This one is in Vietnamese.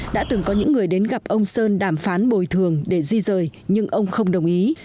đã từng có những người đến gặp ông sơn đàm phán bồi thường để di rời nhưng ông không đồng ý